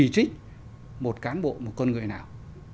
chỉ trích một cán bộ một con người nào